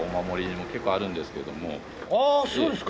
そうですか！